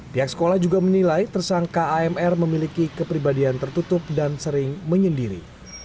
pihak sekolah juga menilai tersangka amr memiliki kepribadian tertutup dan sering menyendiri